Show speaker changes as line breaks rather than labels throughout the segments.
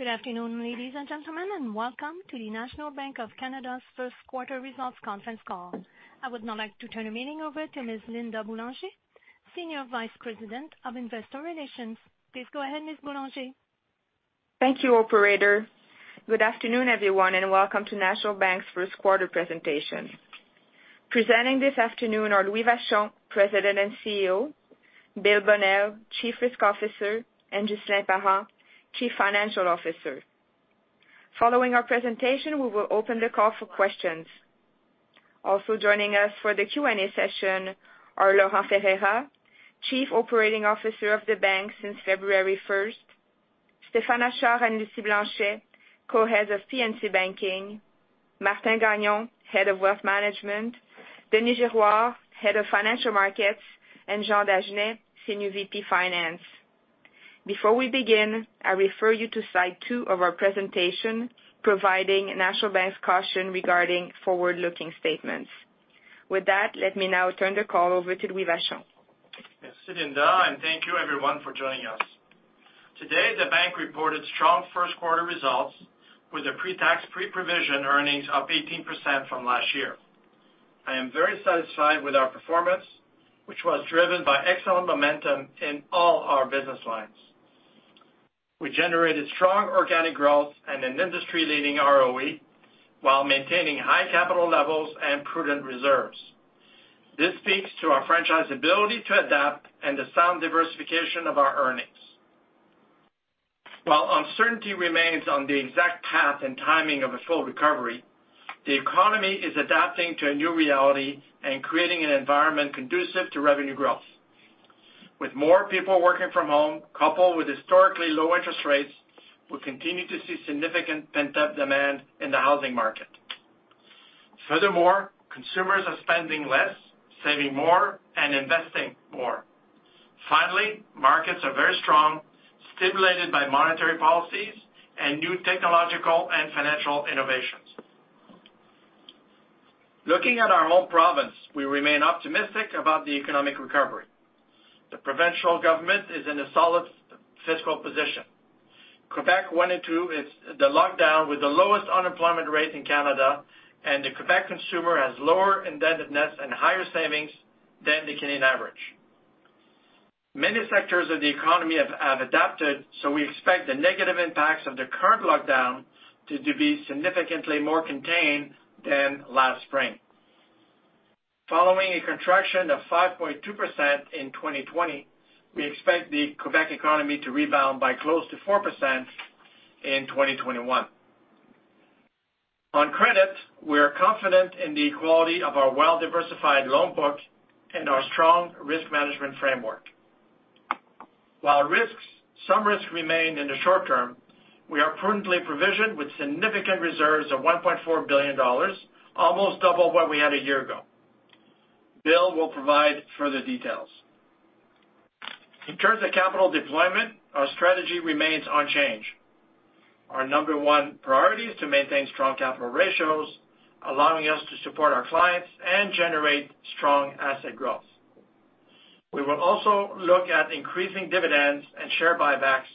Good afternoon, ladies and gentlemen, and welcome to The National Bank of Canada's First Quarter Results Conference Call. I would now like to turn the meeting over to Ms. Linda Boulanger, Senior Vice President of Investor Relations. Please go ahead, Ms. Boulanger.
Thank you, Operator. Good afternoon, everyone, and welcome to National Bank's first quarter presentation. Presenting this afternoon are Louis Vachon, President and CEO; Bill Bonnell, Chief Risk Officer; and Ghislaine Parent, Chief Financial Officer. Following our presentation, we will open the call for questions. Also joining us for the Q&A session are Laurent Ferreira, Chief Operating Officer of the Bank since February 1st; Stéphane Achard and Lucie Blanchet, Co-Heads of P&C Banking; Martin Gagnon, Head of Wealth Management; Denis Girouard, Head of Financial Markets; and Jean Dagenais, SVP, Finance. Before we begin, I refer you to slide two of our presentation providing National Bank's caution regarding forward-looking statements. With that, let me now turn the call over to Louis Vachon.
Merci, Linda, and thank you, everyone, for joining us. Today, the Bank reported strong first quarter results with the pre-tax pre-provision earnings up 18% from last year. I am very satisfied with our performance, which was driven by excellent momentum in all our business lines. We generated strong organic growth and an industry-leading ROE while maintaining high capital levels and prudent reserves. This speaks to our franchise's ability to adapt and the sound diversification of our earnings. While uncertainty remains on the exact path and timing of a full recovery, the economy is adapting to a new reality and creating an environment conducive to revenue growth. With more people working from home, coupled with historically low interest rates, we continue to see significant pent-up demand in the housing market. Furthermore, consumers are spending less, saving more, and investing more. Finally, markets are very strong, stimulated by monetary policies and new technological and financial innovations. Looking at our home province, we remain optimistic about the economic recovery. The provincial government is in a solid fiscal position. Quebec went into the lockdown with the lowest unemployment rate in Canada, and the Quebec consumer has lower indebtedness and higher savings than the Canadian average. Many sectors of the economy have adapted, so we expect the negative impacts of the current lockdown to be significantly more contained than last spring. Following a contraction of 5.2% in 2020, we expect the Quebec economy to rebound by close to 4% in 2021. On credit, we are confident in the quality of our well-diversified loan book and our strong risk management framework. While some risks remain in the short term, we are prudently provisioned with significant reserves of 1.4 billion dollars, almost double what we had a year ago. Bill will provide further details. In terms of capital deployment, our strategy remains unchanged. Our number one priority is to maintain strong capital ratios, allowing us to support our clients and generate strong asset growth. We will also look at increasing dividends and share buybacks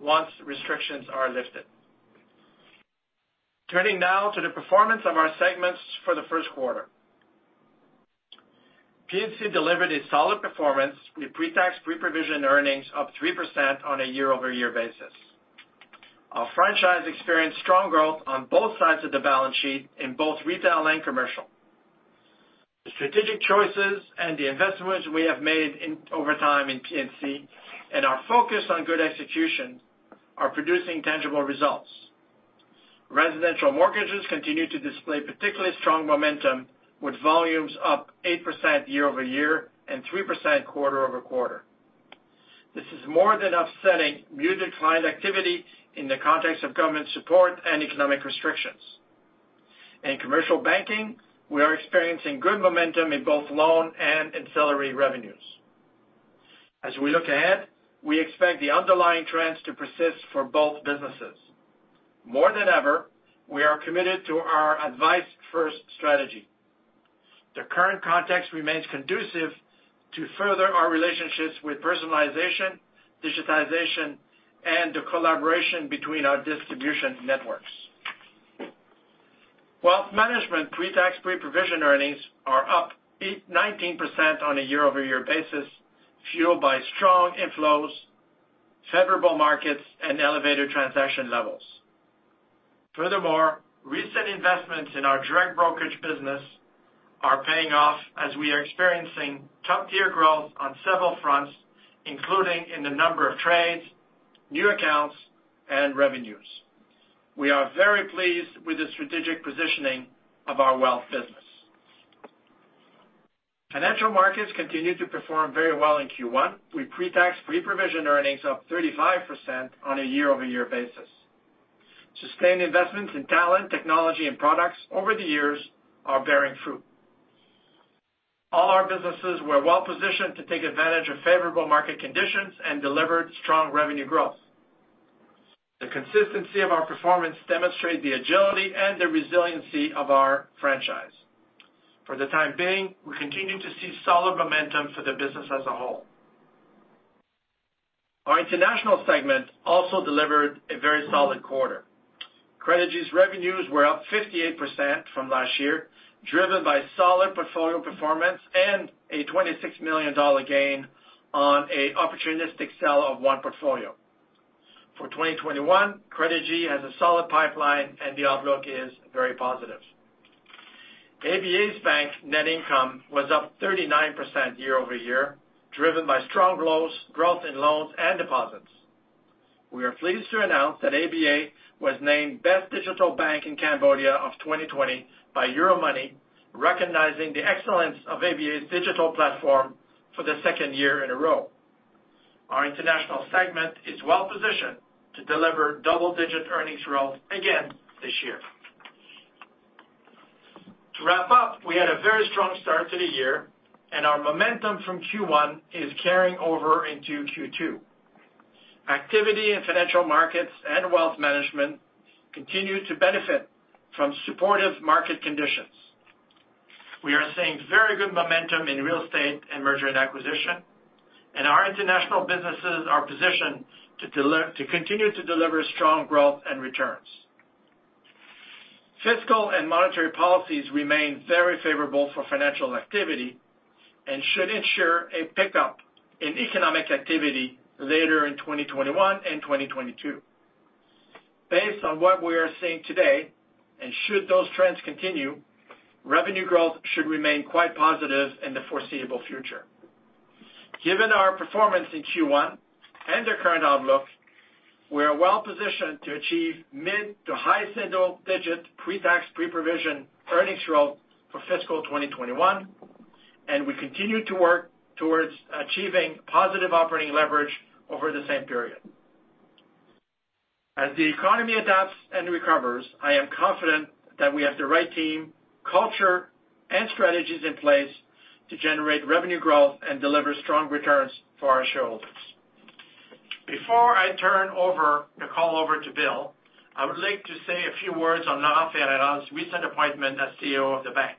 once restrictions are lifted. Turning now to the performance of our segments for the first quarter. P&C delivered a solid performance with pre-tax pre-provision earnings up 3% on a year-over-year basis. Our franchise experienced strong growth on both sides of the balance sheet in both retail and commercial. The strategic choices and the investments we have made over time in P&C and our focus on good execution are producing tangible results. Residential mortgages continue to display particularly strong momentum, with volumes up 8% year-over-year and 3% quarter-over-quarter. This is more than offsetting due to client activity in the context of government support and economic restrictions. In commercial banking, we are experiencing good momentum in both loan and ancillary revenues. As we look ahead, we expect the underlying trends to persist for both businesses. More than ever, we are committed to our advice-first strategy. The current context remains conducive to further our relationships with personalization, digitization, and the collaboration between our distribution networks. Wealth Management pre-tax pre-provision earnings are up 19% on a year-over-year basis, fueled by strong inflows, favorable markets, and elevated transaction levels. Furthermore, recent investments in our Direct Brokerage business are paying off as we are experiencing top-tier growth on several fronts, including in the number of trades, new accounts, and revenues. We are very pleased with the strategic positioning of our wealth business. Financial Markets continue to perform very well in Q1 with pre-tax pre-provision earnings up 35% on a year-over-year basis. Sustained investments in talent, technology, and products over the years are bearing fruit. All our businesses were well-positioned to take advantage of favorable market conditions and delivered strong revenue growth. The consistency of our performance demonstrates the agility and the resiliency of our franchise. For the time being, we continue to see solid momentum for the business as a whole. Our international segment also delivered a very solid quarter. Credigy's revenues were up 58% from last year, driven by solid portfolio performance and a 26 million dollar gain on an opportunistic sale of one portfolio. For 2021, Credigy has a solid pipeline, and the outlook is very positive. ABA Bank's net income was up 39% year-over-year, driven by strong growth in loans and deposits. We are pleased to announce that ABA was named Best Digital Bank in Cambodia of 2020 by Euromoney, recognizing the excellence of ABA's digital platform for the second year in a row. Our international segment is well-positioned to deliver double-digit earnings growth again this year. To wrap up, we had a very strong start to the year, and our momentum from Q1 is carrying over into Q2. Activity in Financial Markets and Wealth Management continue to benefit from supportive market conditions. We are seeing very good momentum in real estate and merger and acquisition, and our international businesses are positioned to continue to deliver strong growth and returns. Fiscal and monetary policies remain very favorable for financial activity and should ensure a pickup in economic activity later in 2021 and 2022. Based on what we are seeing today, and should those trends continue, revenue growth should remain quite positive in the foreseeable future. Given our performance in Q1 and the current outlook, we are well-positioned to achieve mid to high single-digit pre-tax pre-provision earnings growth for fiscal 2021, and we continue to work towards achieving positive operating leverage over the same period. As the economy adapts and recovers, I am confident that we have the right team, culture, and strategies in place to generate revenue growth and deliver strong returns for our shareholders. Before I turn the call over to Bill, I would like to say a few words on Laurent Ferreira's recent appointment as COO of the Bank.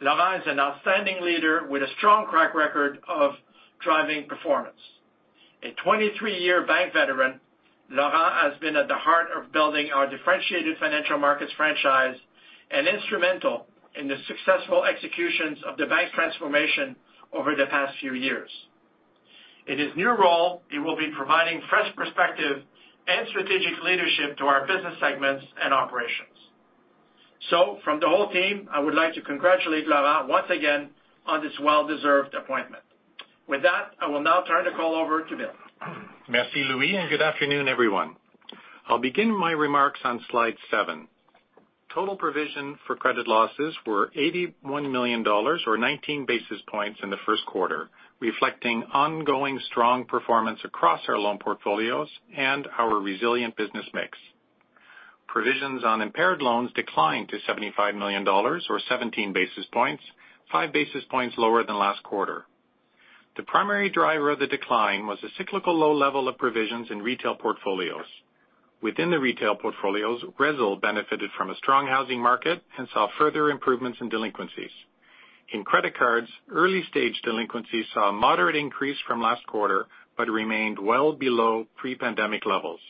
Laurent is an outstanding leader with a strong track record of driving performance. A 23-year bank veteran, Laurent has been at the heart of building our differentiated Financial Markets franchise and instrumental in the successful executions of the bank transformation over the past few years. In his new role, he will be providing fresh perspective and strategic leadership to our business segments and operations. So, from the whole team, I would like to congratulate Laurent once again on this well-deserved appointment. With that, I will now turn the call over to Bill.
Merci, Louis, and good afternoon, everyone. I'll begin my remarks on slide seven. Total provision for credit losses were 81 million dollars, or 19 basis points, in the first quarter, reflecting ongoing strong performance across our loan portfolios and our resilient business mix. Provisions on impaired loans declined to 75 million dollars, or 17 basis points, five basis points lower than last quarter. The primary driver of the decline was a cyclical low level of provisions in retail portfolios. Within the retail portfolios, RESL benefited from a strong housing market and saw further improvements in delinquencies. In credit cards, early-stage delinquencies saw a moderate increase from last quarter but remained well below pre-pandemic levels.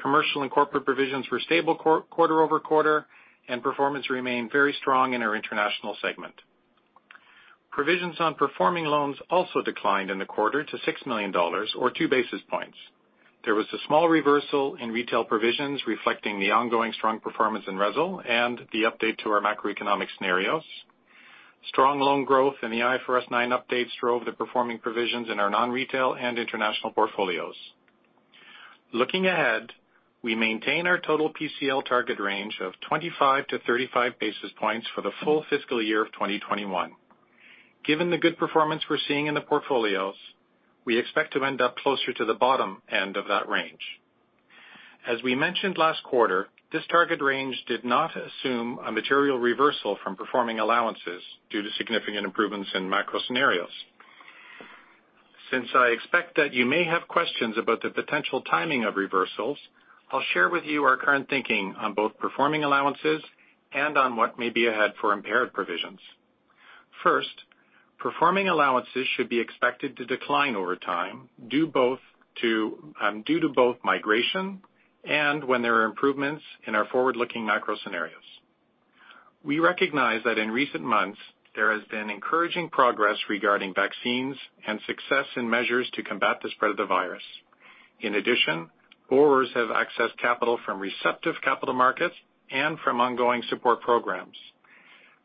Commercial and corporate provisions were stable quarter-over-quarter, and performance remained very strong in our international segment. Provisions on performing loans also declined in the quarter to 6 million dollars, or two basis points. There was a small reversal in retail provisions, reflecting the ongoing strong performance in RESL and the update to our macroeconomic scenarios. Strong loan growth in the IFRS 9 update drove the performing provisions in our non-retail and international portfolios. Looking ahead, we maintain our total PCL target range of 25 basis points-35 basis points for the full fiscal year of 2021. Given the good performance we're seeing in the portfolios, we expect to end up closer to the bottom end of that range. As we mentioned last quarter, this target range did not assume a material reversal from performing allowances due to significant improvements in macro scenarios. Since I expect that you may have questions about the potential timing of reversals, I'll share with you our current thinking on both performing allowances and on what may be ahead for impaired provisions. First, performing allowances should be expected to decline over time due to both migration and when there are improvements in our forward-looking macro scenarios. We recognize that in recent months, there has been encouraging progress regarding vaccines and success in measures to combat the spread of the virus. In addition, borrowers have accessed capital from receptive capital markets and from ongoing support programs.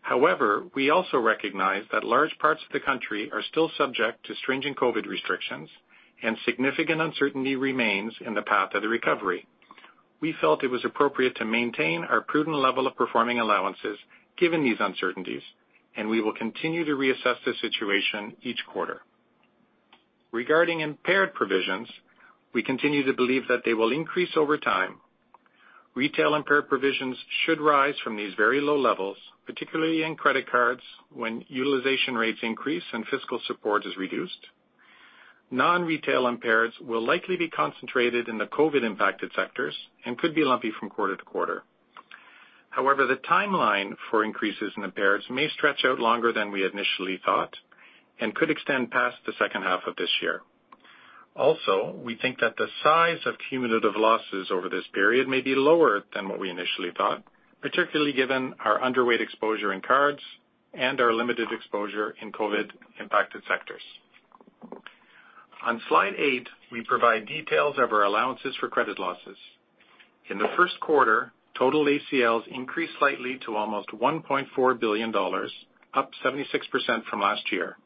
However, we also recognize that large parts of the country are still subject to stringent COVID restrictions, and significant uncertainty remains in the path of the recovery. We felt it was appropriate to maintain our prudent level of performing allowances given these uncertainties, and we will continue to reassess the situation each quarter. Regarding impaired provisions, we continue to believe that they will increase over time. Retail impaired provisions should rise from these very low levels, particularly in credit cards when utilization rates increase and fiscal support is reduced. Non-retail impaireds will likely be concentrated in the COVID-impacted sectors and could be lumpy from quarter to quarter. However, the timeline for increases in impaireds may stretch out longer than we initially thought and could extend past the second half of this year. Also, we think that the size of cumulative losses over this period may be lower than what we initially thought, particularly given our underweight exposure in cards and our limited exposure in COVID-impacted sectors. On slide eight, we provide details of our allowances for credit losses. In the first quarter, total ACLs increased slightly to almost 1.4 billion dollars, up 76% from last year.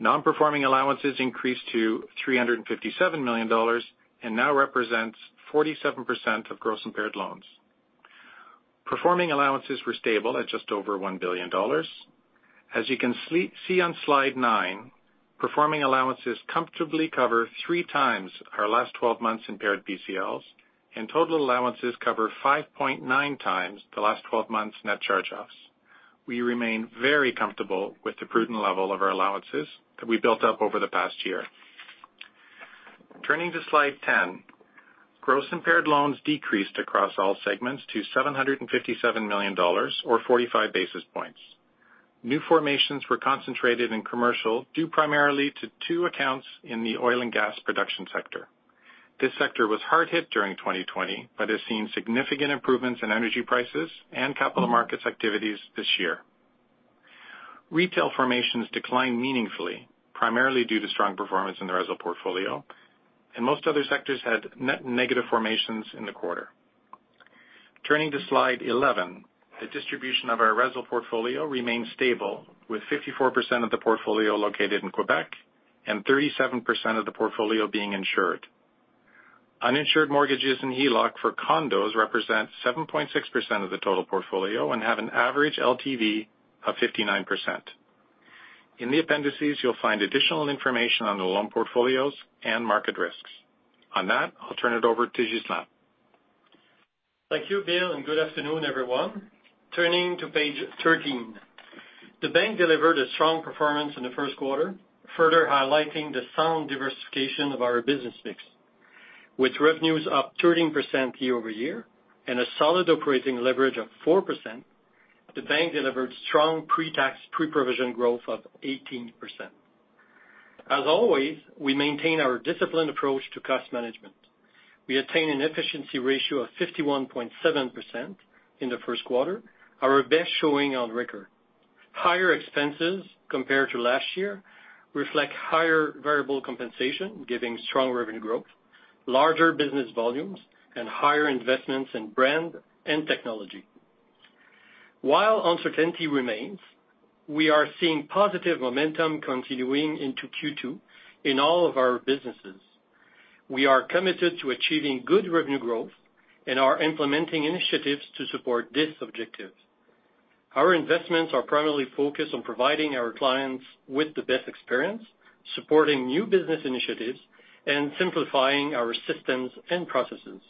Non-performing allowances increased to 357 million dollars and now represent 47% of gross impaired loans. Performing allowances were stable at just over 1 billion dollars. As you can see on slide nine, performing allowances comfortably cover three times our last 12 months' impaired PCLs, and total allowances cover 5.9 times the last 12 months' net charge-offs. We remain very comfortable with the prudent level of our allowances that we built up over the past year. Turning to slide 10, gross impaired loans decreased across all segments to 757 million dollars, or 45 basis points. New formations were concentrated in commercial due primarily to two accounts in the oil and gas production sector. This sector was hard hit during 2020 but has seen significant improvements in energy prices and capital markets activities this year. Retail formations declined meaningfully, primarily due to strong performance in the RESL portfolio, and most other sectors had net negative formations in the quarter. Turning to slide 11, the distribution of our RESL portfolio remains stable, with 54% of the portfolio located in Quebec and 37% of the portfolio being insured. Uninsured mortgages in HELOC for condos represent 7.6% of the total portfolio and have an average LTV of 59%. In the appendices, you'll find additional information on the loan portfolios and market risks. On that, I'll turn it over to Ghislaine.
Thank you, Bill, and good afternoon, everyone. Turning to page 13, the Bank delivered a strong performance in the first quarter, further highlighting the sound diversification of our business mix. With revenues up 13% year-over-year and a solid operating leverage of 4%, the Bank delivered strong pre-tax pre-provision growth of 18%. As always, we maintain our disciplined approach to cost management. We attained an efficiency ratio of 51.7% in the first quarter, our best showing on record. Higher expenses compared to last year reflect higher variable compensation, giving strong revenue growth, larger business volumes, and higher investments in brand and technology. While uncertainty remains, we are seeing positive momentum continuing into Q2 in all of our businesses. We are committed to achieving good revenue growth and are implementing initiatives to support this objective. Our investments are primarily focused on providing our clients with the best experience, supporting new business initiatives, and simplifying our systems and processes.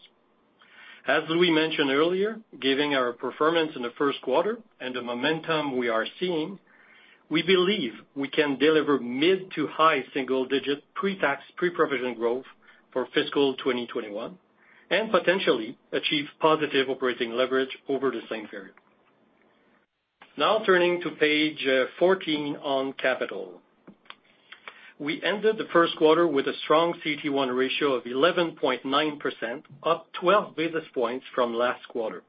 As Louis mentioned earlier, given our performance in the first quarter and the momentum we are seeing, we believe we can deliver mid to high single-digit pre-tax pre-provision growth for fiscal 2021 and potentially achieve positive operating leverage over the same period. Now turning to page 14 on capital. We ended the first quarter with a strong CET1 ratio of 11.9%, up 12 basis points from last quarter.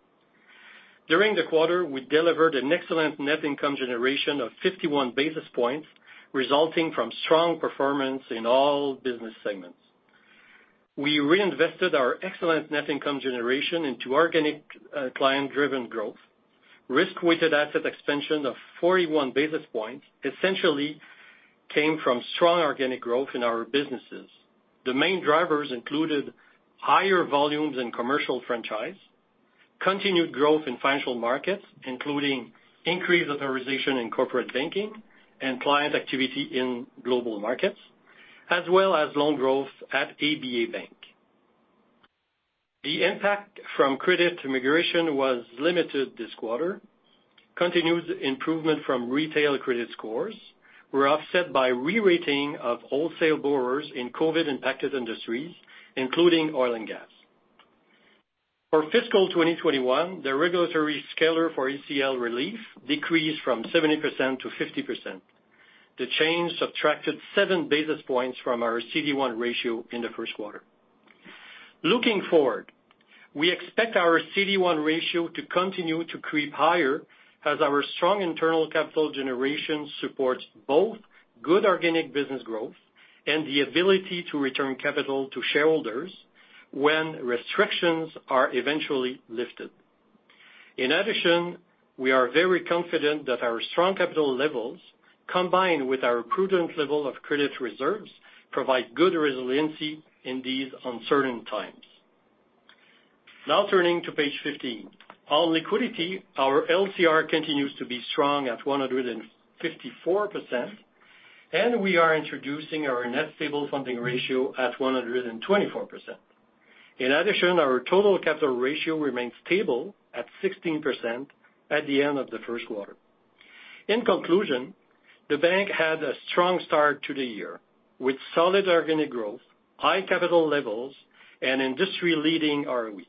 During the quarter, we delivered an excellent net income generation of 51 basis points, resulting from strong performance in all business segments. We reinvested our excellent net income generation into organic client-driven growth. Risk-weighted asset expansion of 41 basis points essentially came from strong organic growth in our businesses. The main drivers included higher volumes in commercial franchise, continued growth in Financial Markets, including increased authorization in corporate banking and client activity in global markets, as well as loan growth at ABA Bank. The impact from credit migration was limited this quarter. Continued improvement from retail credit scores were offset by re-rating of wholesale borrowers in COVID-impacted industries, including oil and gas. For fiscal 2021, the regulatory scalar for ACL relief decreased from 70% to 50%. The change subtracted seven basis points from our CET1 ratio in the first quarter. Looking forward, we expect our CET1 ratio to continue to creep higher as our strong internal capital generation supports both good organic business growth and the ability to return capital to shareholders when restrictions are eventually lifted. In addition, we are very confident that our strong capital levels, combined with our prudent level of credit reserves, provide good resiliency in these uncertain times. Now turning to page 15. On liquidity, our LCR continues to be strong at 154%, and we are introducing our net stable funding ratio at 124%. In addition, our total capital ratio remains stable at 16% at the end of the first quarter. In conclusion, the Bank had a strong start to the year with solid organic growth, high capital levels, and industry-leading ROE.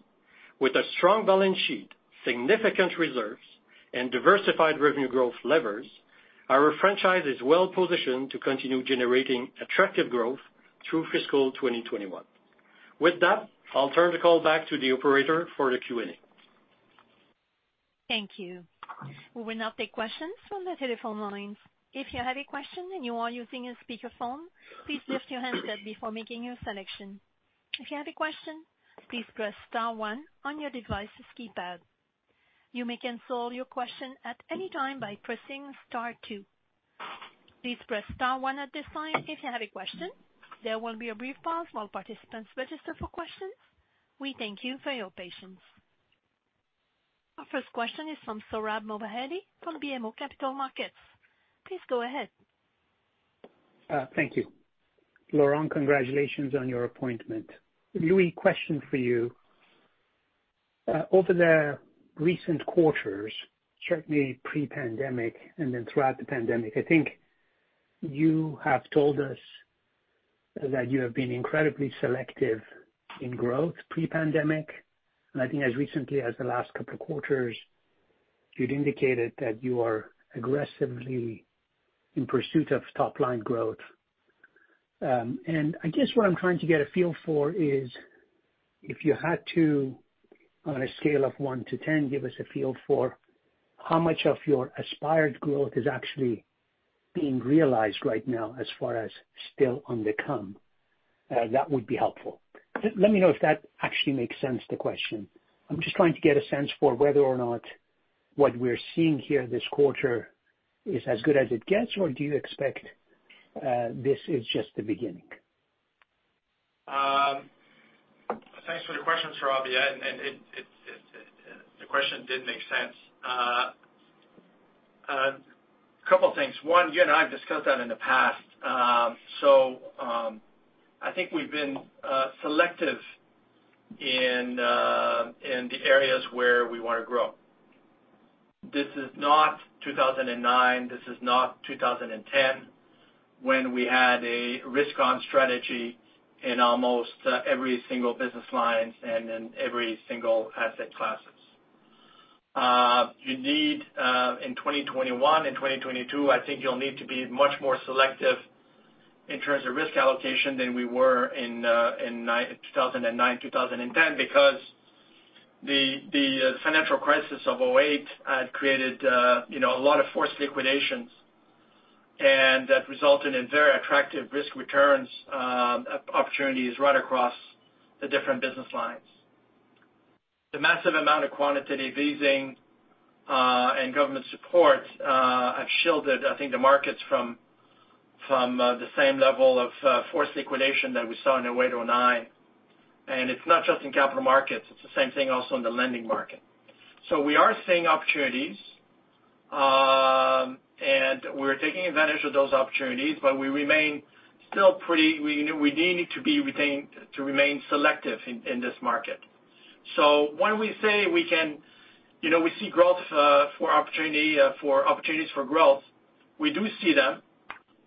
With a strong balance sheet, significant reserves, and diversified revenue growth levers, our franchise is well-positioned to continue generating attractive growth through fiscal 2021. With that, I'll turn the call back to the operator for the Q&A.
Thank you. We will now take questions from the telephone lines. If you have a question and you are using a speakerphone, please lift your handset before making your selection. If you have a question, please press star one on your device's keypad. You may cancel your question at any time by pressing star two. Please press star one at this time if you have a question. There will be a brief pause while participants register for questions. We thank you for your patience. Our first question is from Sohrab Movahedi from BMO Capital Markets. Please go ahead.
Thank you. Laurent, congratulations on your appointment. Louis, question for you. Over the recent quarters, certainly pre-pandemic and then throughout the pandemic, I think you have told us that you have been incredibly selective in growth pre-pandemic. And I think as recently as the last couple of quarters, you'd indicated that you are aggressively in pursuit of top-line growth. And I guess what I'm trying to get a feel for is, if you had to, on a scale of one to 10, give us a feel for how much of your aspired growth is actually being realized right now as far as still on the come, that would be helpful. Let me know if that actually makes sense, the question. I'm just trying to get a sense for whether or not what we're seeing here this quarter is as good as it gets, or do you expect this is just the beginning?
Thanks for the question, Sohrab, and the question did make sense. A couple of things. One, you and I have discussed that in the past. So I think we've been selective in the areas where we want to grow. This is not 2009. This is not 2010 when we had a risk-on strategy in almost every single business line and in every single asset class. In 2021 and 2022, I think you'll need to be much more selective in terms of risk allocation than we were in 2009, 2010, because the financial crisis of 2008 had created a lot of forced liquidations, and that resulted in very attractive risk returns opportunities right across the different business lines. The massive amount of quantitative easing and government supports have shielded, I think, the markets from the same level of forced liquidation that we saw in 2008, 2009. It's not just in Capital Markets. It's the same thing also in the lending market. So we are seeing opportunities, and we're taking advantage of those opportunities, but we remain still pretty restrained to remain selective in this market. So when we say we can, you know, we see growth for opportunities for growth, we do see them.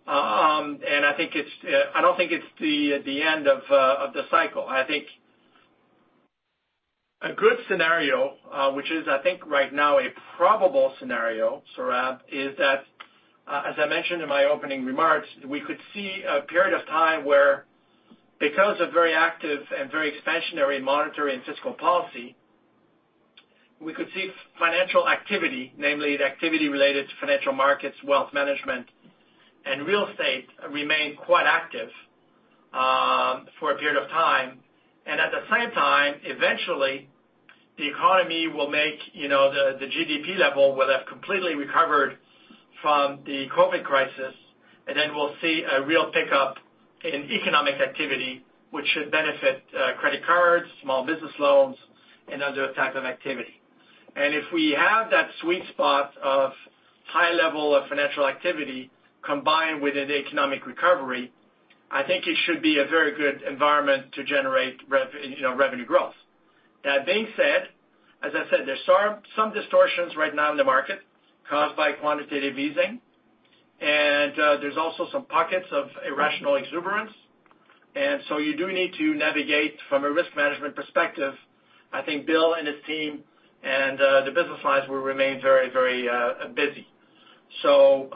And I think it's. I don't think it's the end of the cycle. I think a good scenario, which is, I think, right now a probable scenario, Sohrab, is that, as I mentioned in my opening remarks, we could see a period of time where, because of very active and very expansionary monetary and fiscal policy, we could see financial activity, namely the activity related to Financial Markets, Wealth Management, and real estate remain quite active for a period of time. At the same time, eventually, the economy will make—you know, the GDP level will have completely recovered from the COVID crisis, and then we'll see a real pickup in economic activity, which should benefit credit cards, small business loans, and other types of activity. If we have that sweet spot of high level of financial activity combined with an economic recovery, I think it should be a very good environment to generate revenue growth. That being said, as I said, there's some distortions right now in the market caused by quantitative easing, and there's also some pockets of irrational exuberance. You do need to navigate from a risk management perspective. I think Bill and his team and the business lines will remain very, very busy. You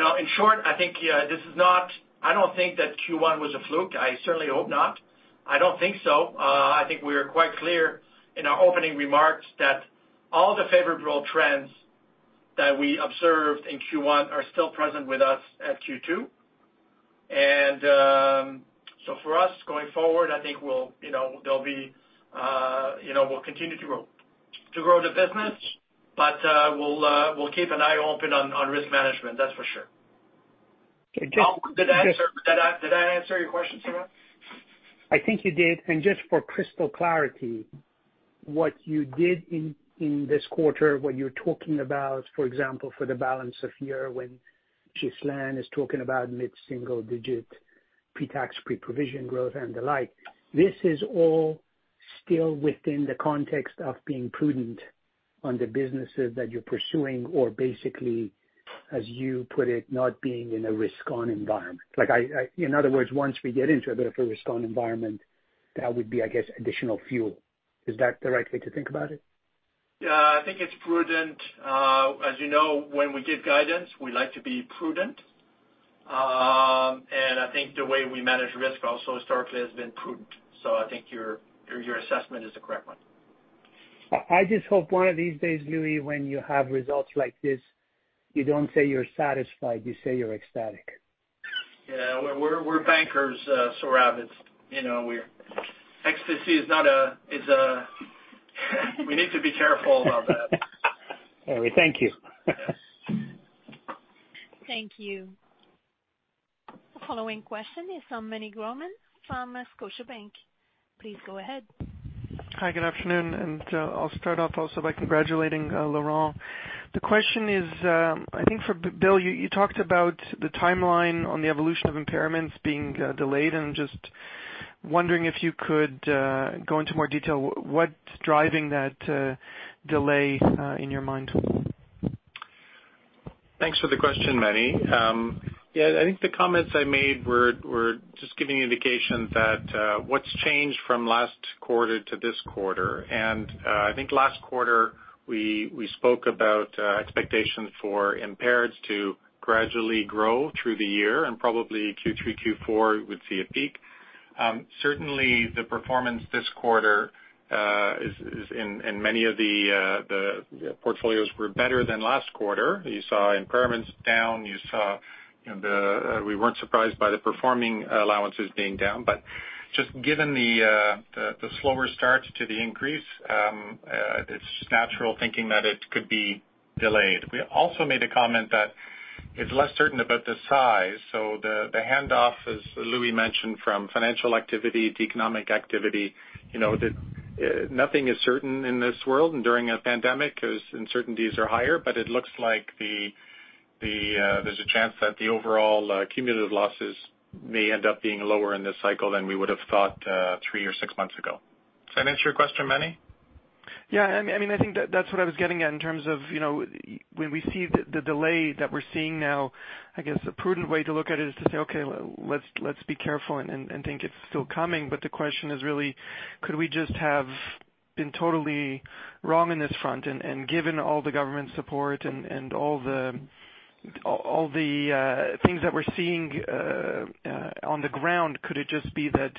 know, in short, I think this is not—I don't think that Q1 was a fluke. I certainly hope not. I don't think so. I think we are quite clear in our opening remarks that all the favorable trends that we observed in Q1 are still present with us at Q2, and so for us, going forward, I think we'll, you know, there'll be, you know, we'll continue to grow, to grow the business, but we'll keep an eye open on risk management, that's for sure. Did I answer your question, Sohrab?
I think you did. And just for crystal clarity, what you did in this quarter when you're talking about, for example, for the balance of year when Ghislaine is talking about mid-single-digit pre-tax pre-provision growth and the like, this is all still within the context of being prudent on the businesses that you're pursuing or basically, as you put it, not being in a risk-on environment. Like, in other words, once we get into a bit of a risk-on environment, that would be, I guess, additional fuel. Is that the right way to think about it?
Yeah, I think it's prudent. As you know, when we give guidance, we like to be prudent, and I think the way we manage risk also historically has been prudent, so I think your assessment is a clear one.
I just hope one of these days, Louis, when you have results like this, you don't say you're satisfied. You say you're ecstatic.
Yeah, we're bankers, Sohrab. You know, ecstasy is not a, we need to be careful about that.
Very, thank you.
Thank you. The following question is from Meny Grauman from Scotiabank. Please go ahead.
Hi, good afternoon, and I'll start off also by congratulating Laurent. The question is, I think for Bill, you talked about the timeline on the evolution of impairments being delayed, and I'm just wondering if you could go into more detail what's driving that delay in your mind.
Thanks for the question, Meny. Yeah, I think the comments I made were just giving you an indication that what's changed from last quarter to this quarter. And I think last quarter, we spoke about expectations for impaireds to gradually grow through the year, and probably Q3, Q4, we'd see a peak. Certainly, the performance this quarter is, and many of the portfolios were better than last quarter. You saw impairments down. You saw, you know, we weren't surprised by the performing allowances being down. But just given the slower start to the increase, it's natural thinking that it could be delayed. We also made a comment that it's less certain about the size. So the handoff, as Louis mentioned, from financial activity to economic activity, you know, nothing is certain in this world. During a pandemic, uncertainties are higher, but it looks like there's a chance that the overall cumulative losses may end up being lower in this cycle than we would have thought three or six months ago. Does that answer your question, Meny?
Yeah, I mean, I think that's what I was getting at in terms of, you know, when we see the delay that we're seeing now, I guess a prudent way to look at it is to say, okay, let's be careful and think it's still coming. But the question is really, could we just have been totally wrong on this front? And given all the government support and all the things that we're seeing on the ground, could it just be that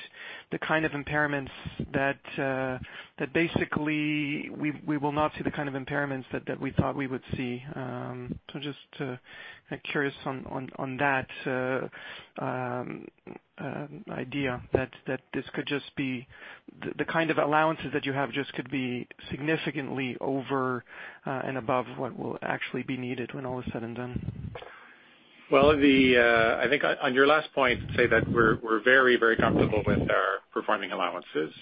the kind of impairments that basically we will not see, the kind of impairments that we thought we would see? So just curious on that idea that this could just be the kind of allowances that you have just could be significantly over and above what will actually be needed when all is said and done.
Well, I think on your last point, say that we're very, very comfortable with our performing allowances.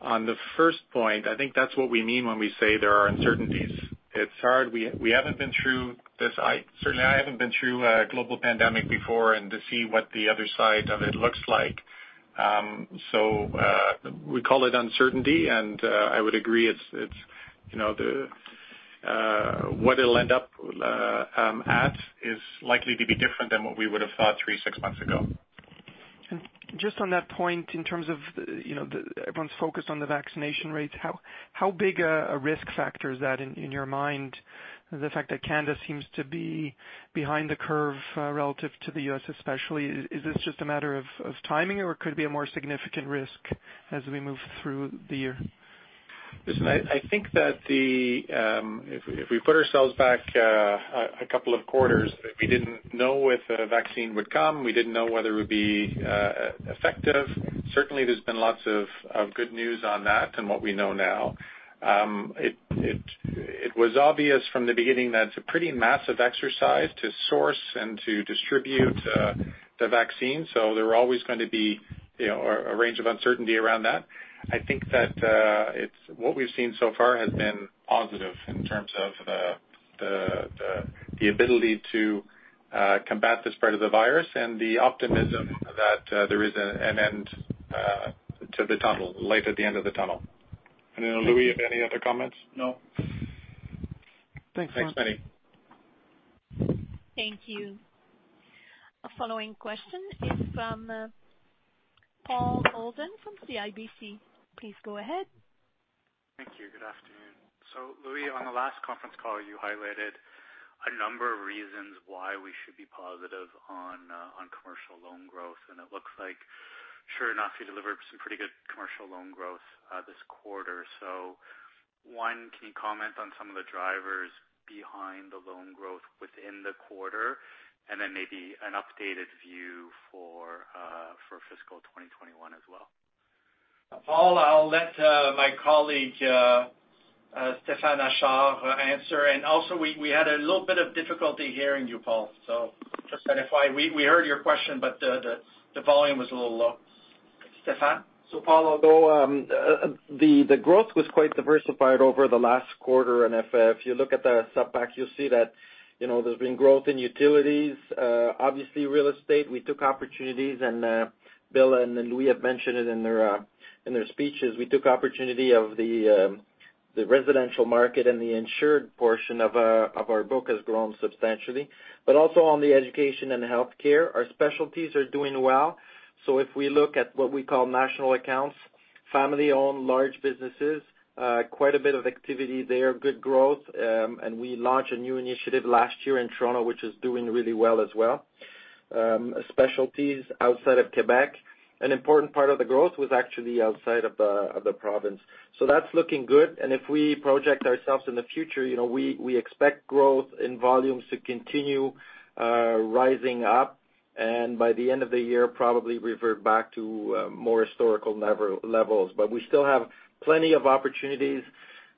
On the first point, I think that's what we mean when we say there are uncertainties. It's hard. We haven't been through this, certainly, I haven't been through a global pandemic before and to see what the other side of it looks like. So we call it uncertainty, and I would agree it's, you know, what it'll end up at is likely to be different than what we would have thought three, six months ago.
Just on that point, in terms of, you know, everyone's focused on the vaccination rates, how big a risk factor is that in your mind? The fact that Canada seems to be behind the curve relative to the U.S., especially. Is this just a matter of timing, or could it be a more significant risk as we move through the year?
Listen, I think that if we put ourselves back a couple of quarters, we didn't know if a vaccine would come. We didn't know whether it would be effective. Certainly, there's been lots of good news on that and what we know now. It was obvious from the beginning that it's a pretty massive exercise to source and to distribute the vaccine. So there are always going to be, you know, a range of uncertainty around that. I think that what we've seen so far has been positive in terms of the ability to combat this part of the virus and the optimism that there is an end to the tunnel, light at the end of the tunnel. And Louis, you have any other comments?
No.
Thanks, Meny.
Thank you. A following question is from Paul Holden from CIBC. Please go ahead.
Thank you. Good afternoon. So Louis, on the last conference call, you highlighted a number of reasons why we should be positive on commercial loan growth. And it looks like sure enough, you delivered some pretty good commercial loan growth this quarter. So one, can you comment on some of the drivers behind the loan growth within the quarter? And then maybe an updated view for fiscal 2021 as well.
Paul, I'll let my colleague Stéphane Achard answer, and also, we had a little bit of difficulty hearing you, Paul, so we heard your question, but the volume was a little low. Stéphane?
Paul, I'll go. The growth was quite diversified over the last quarter. If you look at the Supp Pack, you'll see that, you know, there's been growth in utilities. Obviously, real estate, we took opportunities. Bill and Louis have mentioned it in their speeches. We took opportunity of the residential market and the insured portion of our book has grown substantially. Also on the education and healthcare, our specialties are doing well. If we look at what we call national accounts, family-owned large businesses, quite a bit of activity there, good growth. We launched a new initiative last year in Toronto, which is doing really well as well. Specialties outside of Quebec. An important part of the growth was actually outside of the province. That's looking good. If we project ourselves in the future, you know, we expect growth in volumes to continue rising up. By the end of the year, we probably will revert back to more historical levels. We still have plenty of opportunities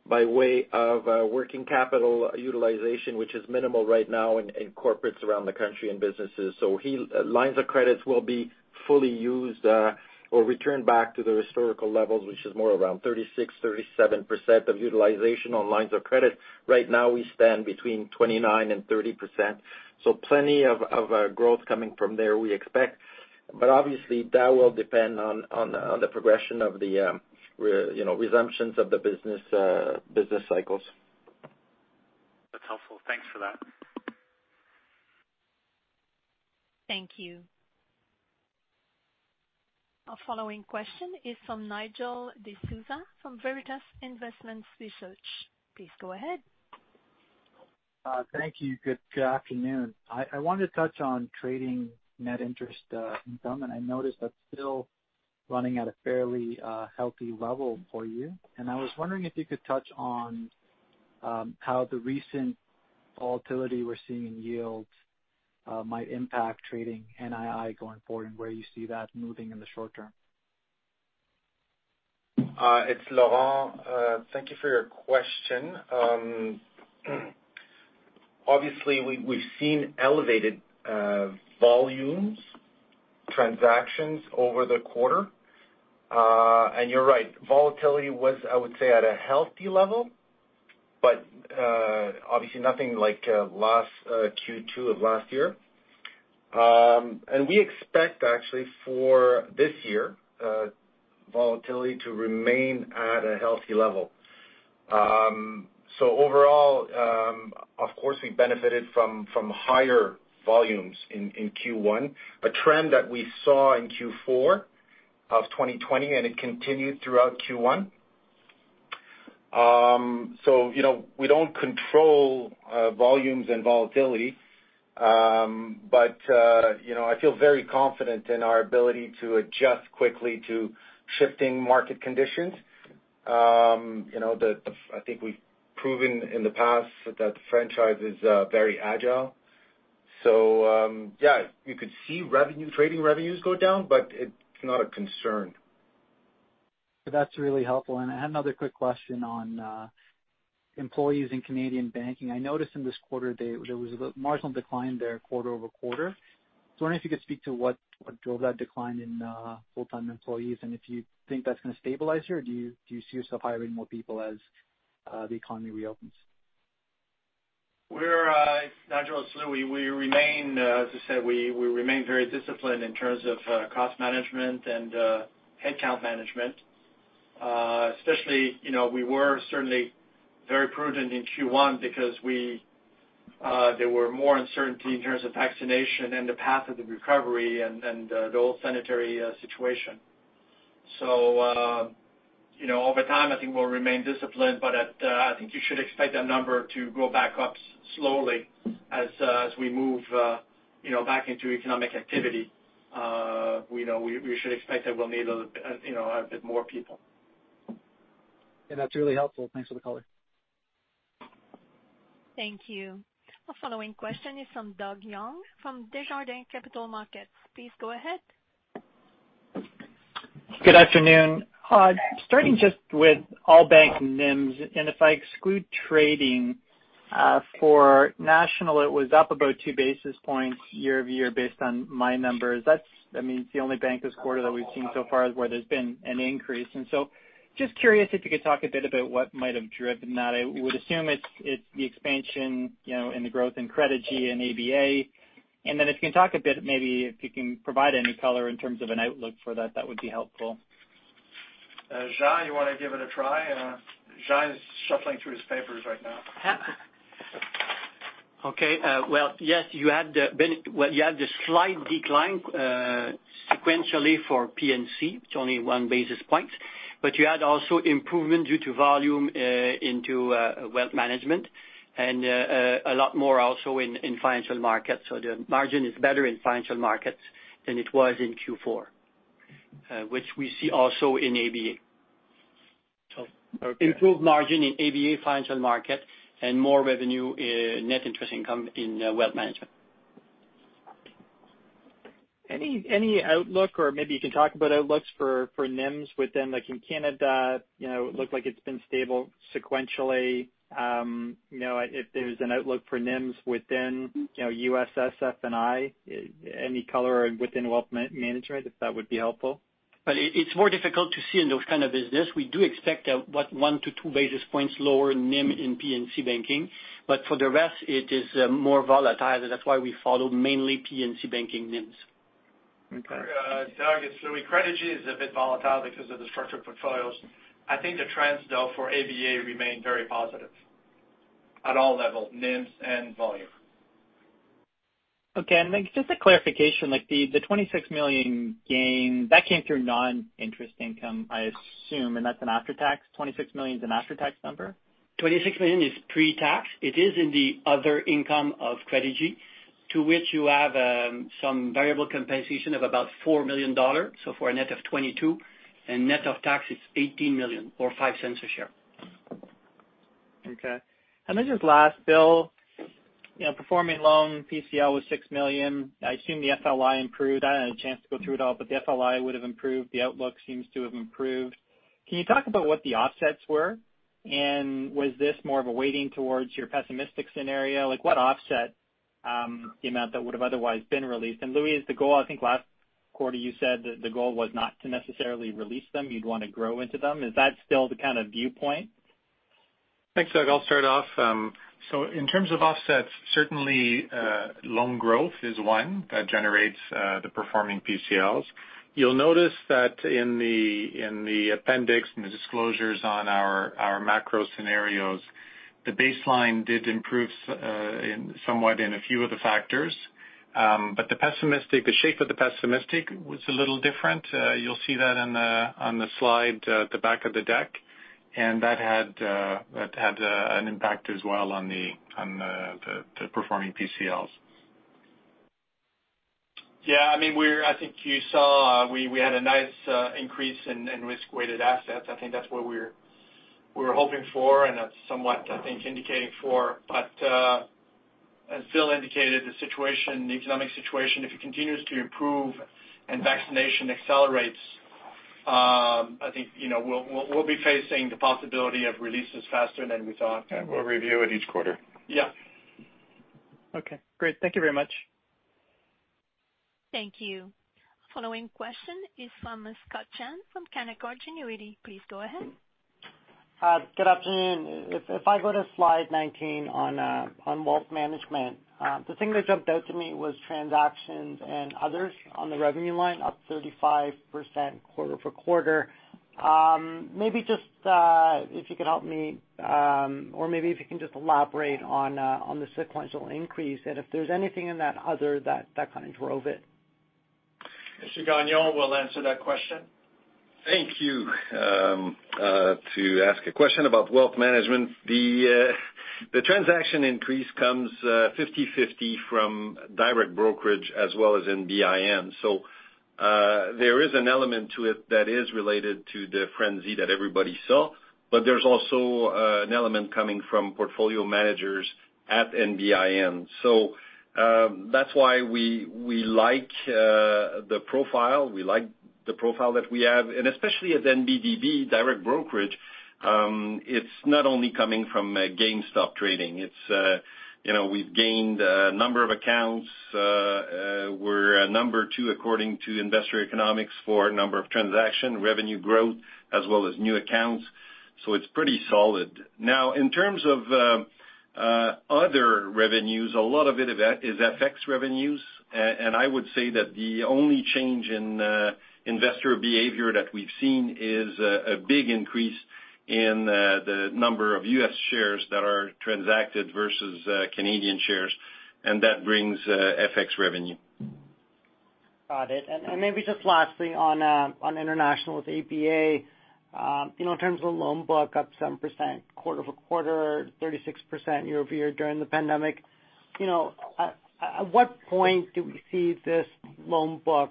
by way of working capital utilization, which is minimal right now in corporates around the country and businesses. Lines of credit will be fully used or returned back to the historical levels, which is more around 36%-37% of utilization on lines of credit. Right now, we stand between 29% and 30%. Plenty of growth is coming from there, we expect. That obviously will depend on the progression of the, you know, resumptions of the business cycles.
That's helpful. Thanks for that.
Thank you. A following question is from Nigel D'Souza from Veritas Investment Research. Please go ahead.
Thank you. Good afternoon. I wanted to touch on trading net interest income. And I noticed that's still running at a fairly healthy level for you. And I was wondering if you could touch on how the recent volatility we're seeing in yields might impact trading NII going forward and where you see that moving in the short term?
It's Laurent. Thank you for your question. Obviously, we've seen elevated volumes, transactions over the quarter, and you're right. Volatility was, I would say, at a healthy level, but obviously nothing like last Q2 of last year, and we expect, actually, for this year, volatility to remain at a healthy level. So overall, of course, we benefited from higher volumes in Q1, a trend that we saw in Q4 of 2020, and it continued throughout Q1, so you know, we don't control volumes and volatility, but you know, I feel very confident in our ability to adjust quickly to shifting market conditions. You know, I think we've proven in the past that the franchise is very agile, so yeah, you could see trading revenues go down, but it's not a concern.
That's really helpful, and I had another quick question on employees in Canadian banking. I noticed in this quarter, there was a marginal decline there quarter-over-quarter. I was wondering if you could speak to what drove that decline in full-time employees and if you think that's going to stabilize here. Do you see yourself hiring more people as the economy reopens?
We're, Nigel and Louis, we remain, as I said, we remain very disciplined in terms of cost management and headcount management. Especially, you know, we were certainly very prudent in Q1 because there was more uncertainty in terms of vaccination and the path of the recovery and the whole sanitary situation. So, you know, over time, I think we'll remain disciplined, but I think you should expect that number to go back up slowly as we move, you know, back into economic activity. You know, we should expect that we'll need a bit more people.
And that's really helpful. Thanks for the call.
Thank you. A following question is from Doug Young from Desjardins Capital Markets. Please go ahead.
Good afternoon. Starting just with all bank NIMs, and if I exclude trading for National, it was up about two basis points year-over-year based on my numbers. That's, I mean, it's the only bank this quarter that we've seen so far where there's been an increase. And so just curious if you could talk a bit about what might have driven that. I would assume it's the expansion, you know, in the growth in Credigy and ABA. And then if you can talk a bit, maybe if you can provide any color in terms of an outlook for that, that would be helpful.
Jean, you want to give it a try? Jean is shuffling through his papers right now.
Okay. Well, yes, you had the slight decline sequentially for P&C, which is only one basis point. But you had also improvement due to volume into Wealth Management and a lot more also in Financial Markets. So the margin is better in Financial Markets than it was in Q4, which we see also in ABA. So improved margin in ABA Financial Markets and more revenue, net interest income in Wealth Management.
Any outlook, or maybe you can talk about outlooks for NIMs within, like in Canada, you know, it looked like it's been stable sequentially. You know, if there's an outlook for NIMs within, you know, USSF&I, any color within Wealth Management, if that would be helpful.
It's more difficult to see in those kinds of businesses. We do expect one to two basis points lower NIM in P&C banking. But for the rest, it is more volatile. That's why we follow mainly P&C banking NIMs.
Doug, it's Louis. Credigy is a bit volatile because of the structured portfolios. I think the trends, though, for ABA remain very positive at all levels, NIMs and volume.
Okay. Then just a clarification, like the 26 million gain, that came through non-interest income, I assume, and that's an after-tax? 26 million is an after-tax number?
26 million is pre-tax. It is in the other income of Credigy, to which you have some variable compensation of about 4 million dollars, so for a net of 22 million, and net of tax, it's 18 million or 0.05 a share.
Okay. I mentioned last, Bill, you know, performing loan PCL was 6 million. I assume the FLI improved. I didn't have a chance to go through it all, but the FLI would have improved. The outlook seems to have improved. Can you talk about what the offsets were? And was this more of a weighting towards your pessimistic scenario? Like what offset the amount that would have otherwise been released? And Louis, the goal, I think last quarter, you said that the goal was not to necessarily release them. You'd want to grow into them. Is that still the kind of viewpoint?
Thanks, Doug. I'll start off. So in terms of offsets, certainly loan growth is one that generates the performing PCLs. You'll notice that in the appendix and the disclosures on our macro scenarios, the baseline did improve somewhat in a few of the factors. But the shape of the pessimistic was a little different. You'll see that on the slide at the back of the deck. And that had an impact as well on the performing PCLs.
Yeah, I mean, we're, I think you saw we had a nice increase in risk-weighted assets. I think that's what we were hoping for, and that's somewhat, I think, indicated for, but it still indicated the situation, the economic situation, if it continues to improve and vaccination accelerates. I think, you know, we'll be facing the possibility of releases faster than we thought.
We'll review it each quarter.
Yeah.
Okay. Great. Thank you very much.
Thank you. A following question is from Scott Chan from Canaccord Genuity. Please go ahead. Good afternoon. If I go to slide 19 on Wealth Management, the thing that jumped out to me was transactions and others on the revenue line up 35% quarter-for-quarter. Maybe just if you could help me, or maybe if you can just elaborate on the sequential increase and if there's anything in that other that kind of drove it?
Mr. Gagnon, you'll answer that question.
Thank you to ask a question about Wealth Management. The transaction increase comes 50/50 from Direct Brokerage as well as NBIN. So there is an element to it that is related to the frenzy that everybody saw. But there's also an element coming from portfolio managers at NBIN. So that's why we like the profile. We like the profile that we have. And especially at NBDB, Direct Brokerage, it's not only coming from GameStop trading. It's, you know, we've gained a number of accounts. We're number two according to Investor Economics for number of transactions, revenue growth, as well as new accounts. So it's pretty solid. Now, in terms of other revenues, a lot of it is FX revenues. And I would say that the only change in investor behavior that we've seen is a big increase in the number of U.S. shares that are transacted versus Canadian shares. And that brings FX revenue. Got it. And maybe just lastly on international with ABA, you know, in terms of loan book up 7% quarter-for-quarter, 36% year-over-year during the pandemic. You know, at what point do we see this loan book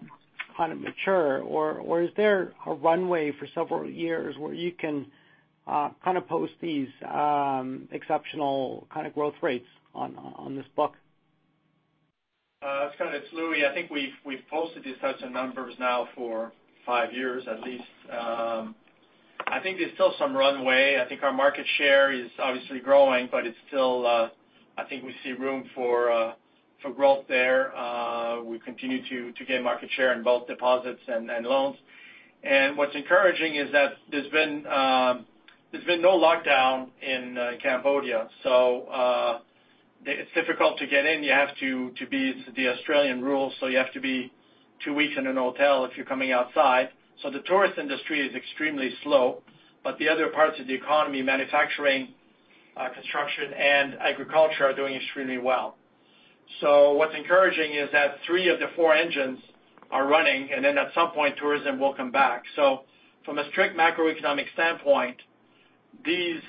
kind of mature? Or is there a runway for several years where you can kind of post these exceptional kind of growth rates on this book?
Scott, it's Louis. I think we've posted these types of numbers now for five years at least. I think there's still some runway. I think our market share is obviously growing, but it's still, I think we see room for growth there. We continue to gain market share in both deposits and loans, and what's encouraging is that there's been no lockdown in Cambodia, so it's difficult to get in. You have to abide by the Australian rules, so you have to do two weeks in a hotel if you're coming from outside. So the tourist industry is extremely slow, but the other parts of the economy, manufacturing, construction, and agriculture are doing extremely well. So what's encouraging is that three of the four engines are running, and then at some point, tourism will come back. So from a strict macroeconomic standpoint, these,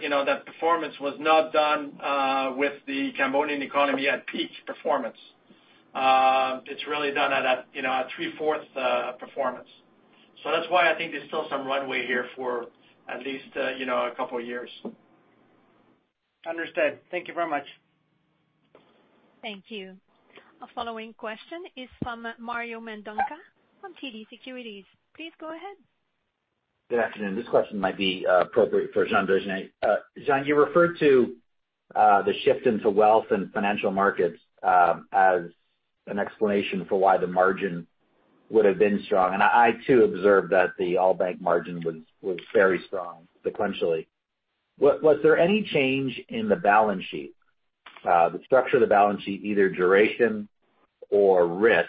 you know, that performance was not done with the Cambodian economy at peak performance. It's really done at, you know, at 3/4 performance. So that's why I think there's still some runway here for at least, you know, a couple of years. Understood. Thank you very much.
Thank you. A following question is from Mario Mendonca from TD Securities. Please go ahead.
Good afternoon. This question might be appropriate for Jean Dagenais. Jean, you referred to the shift into Wealth and Financial Markets as an explanation for why the margin would have been strong, and I, too, observed that the all bank margin was very strong sequentially. Was there any change in the balance sheet, the structure of the balance sheet, either duration or risk,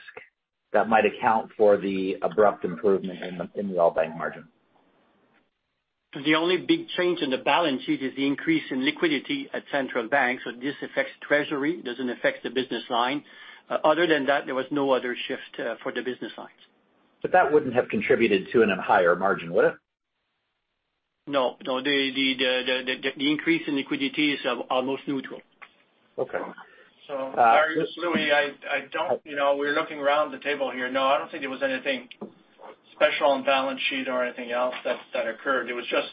that might account for the abrupt improvement in the all bank margin?
The only big change in the balance sheet is the increase in liquidity at central banks. So this affects treasury. It doesn't affect the business line. Other than that, there was no other shift for the business lines.
But that wouldn't have contributed to a higher margin, would it?
No, no. The increase in liquidity is almost neutral.
Okay.
Louis, I don't, you know, we're looking around the table here. No, I don't think there was anything special on balance sheet or anything else that occurred. It was just,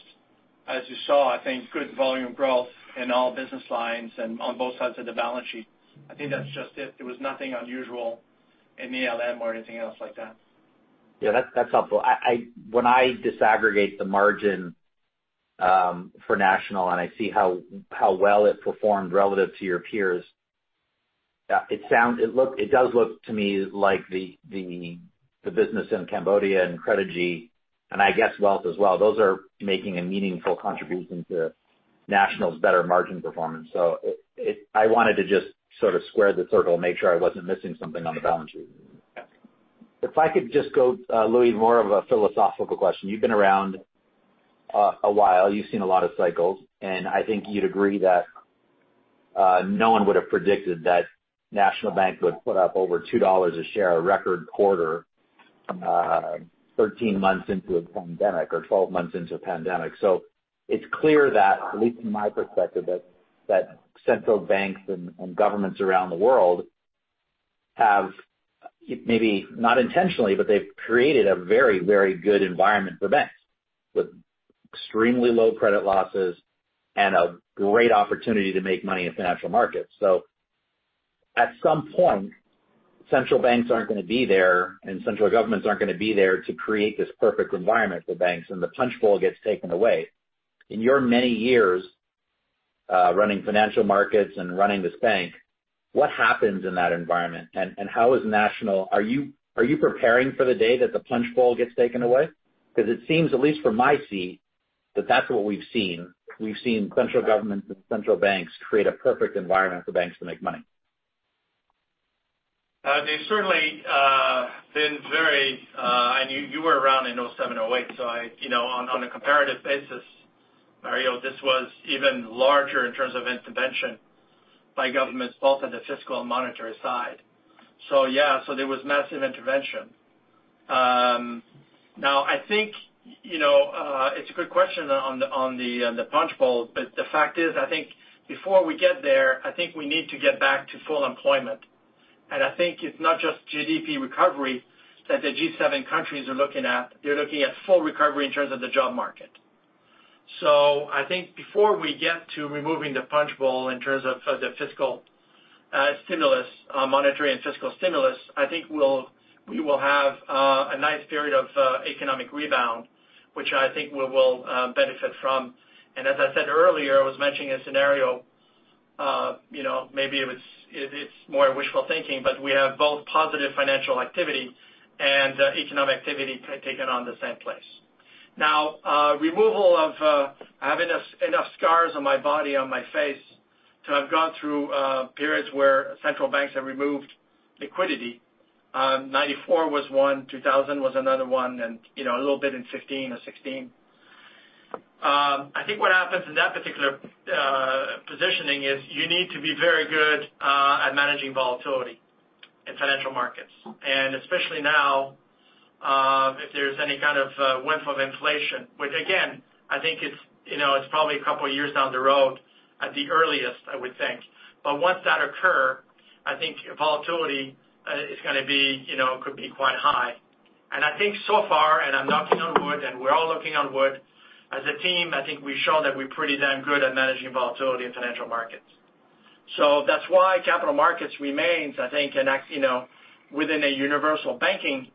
as you saw, I think good volume growth in all business lines and on both sides of the balance sheet. I think that's just it. There was nothing unusual in ALM or anything else like that.
Yeah, that's helpful. When I disaggregate the margin for National and I see how well it performed relative to your peers, it does look to me like the business in Cambodia and Credigy and I guess Wealth as well. Those are making a meaningful contribution to National's better margin performance. So I wanted to just sort of square the circle and make sure I wasn't missing something on the balance sheet. If I could just go, Louis, more of a philosophical question. You've been around a while. You've seen a lot of cycles. And I think you'd agree that no one would have predicted that National Bank would put up over 2 dollars a share a record quarter, 13 months into a pandemic or 12 months into a pandemic. So it's clear that, at least in my perspective, that central banks and governments around the world have maybe not intentionally, but they've created a very, very good environment for banks with extremely low credit losses and a great opportunity to make money in Financial Markets. So at some point, central banks aren't going to be there and central governments aren't going to be there to create this perfect environment for banks and the punch bowl gets taken away. In your many years running Financial Markets and running this bank, what happens in that environment? And how is National, are you preparing for the day that the punch bowl gets taken away? Because it seems, at least from my seat, that that's what we've seen. We've seen central government and central banks create a perfect environment for banks to make money.
It's certainly been very, and you were around in 2007, 2008. So I, you know, on a comparative basis, Mario, this was even larger in terms of intervention by government's fault on the fiscal and monetary side. So yeah, so there was massive intervention. Now, I think, you know, it's a good question on the punch bowl, but the fact is, I think before we get there, I think we need to get back to full employment. And I think it's not just GDP recovery that the G7 countries are looking at. You're looking at full recovery in terms of the job market. So I think before we get to removing the punch bowl in terms of the fiscal stimulus, monetary and fiscal stimulus, I think we will have a nice period of economic rebound, which I think we will benefit from. As I said earlier, I was mentioning a scenario, you know, maybe it's more wishful thinking, but we have both positive financial activity and economic activity taking place at the same pace. Now, having enough scars on my body, on my face, to have gone through periods where central banks have removed liquidity. 1994 was one, 2000 was another one, and, you know, a little bit in 2015 or 2016. I think what happens in that particular positioning is you need to be very good at managing volatility in Financial Markets. And especially now, if there's any kind of wave of inflation, which again, I think it's, you know, it's probably a couple of years down the road at the earliest, I would think. But once that occurs, I think volatility is going to be, you know, could be quite high. And I think so far, and I'm knocking on wood, and we're all knocking on wood, as a team, I think we've shown that we're pretty damn good at managing volatility in Financial Markets. So that's why Capital Markets remains, I think, and, you know, within a universal banking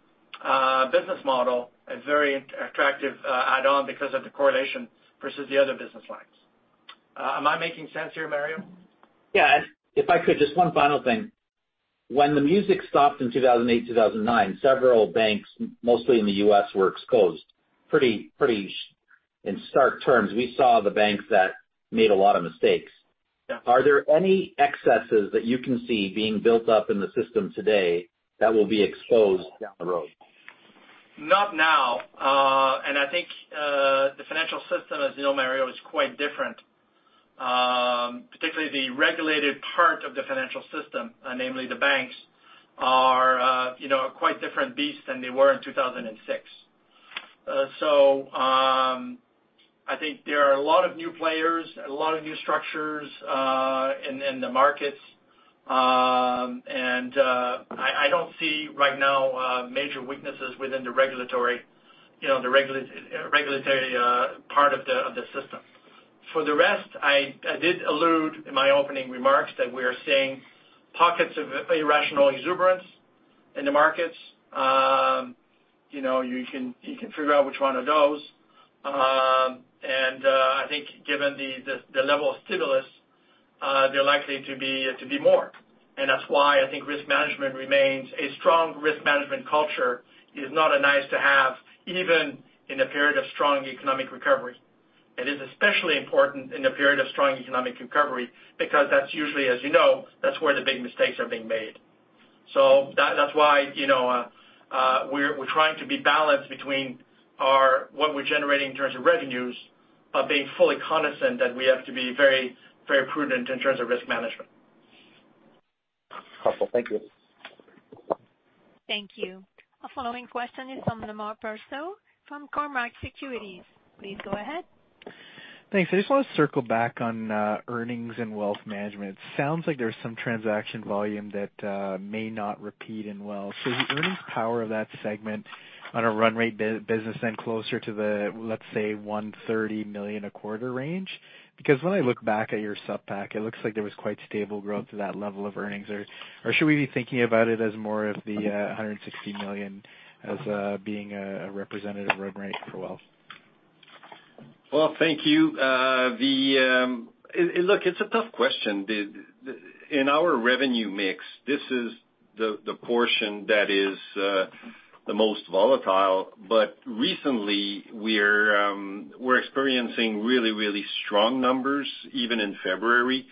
business model, a very attractive add-on because of the correlation versus the other business lines. Am I making sense here, Mario?
Yeah, and if I could, just one final thing. When the music stopped in 2008, 2009, several banks, mostly in the U.S., were exposed. Pretty in stark terms, we saw the banks that made a lot of mistakes. Are there any excesses that you can see being built up in the system today that will be exposed down the road?
Not now. And I think the financial system, as you know, Mario, is quite different. Particularly the regulated part of the financial system, namely the banks, are, you know, quite different beasts than they were in 2006. So I think there are a lot of new players, a lot of new structures in the markets. And I don't see right now major weaknesses within the regulatory, you know, the regulatory part of the system. For the rest, I did allude in my opening remarks that we are seeing pockets of irrational exuberance in the markets. You know, you can figure out which one of those. And I think given the level of stimulus, they're likely to be more. And that's why I think risk management remains a strong risk management culture. It is not a nice to have even in a period of strong economic recovery. It is especially important in a period of strong economic recovery because that's usually, as you know, that's where the big mistakes are being made. So that's why, you know, we're trying to be balanced between what we're generating in terms of revenues, but being fully cognizant that we have to be very, very prudent in terms of risk management.
Helpful. Thank you.
Thank you. The following question is from Lemar Persaud from Cormark Securities. Please go ahead.
Thanks. I just want to circle back on earnings in Wealth Management. It sounds like there's some transaction volume that may not repeat in Wealth. So the earnings power of that segment on a run-rate basis and closer to the, let's say, 130 million a quarter range? Because when I look back at your Supp Pack, it looks like there was quite stable growth to that level of earnings. Or should we be thinking about it as more of the 160 million as being a representative run rate for Wealth?
Well, thank you. Look, it's a tough question. In our revenue mix, this is the portion that is the most volatile. But recently, we're experiencing really, really strong numbers even in February.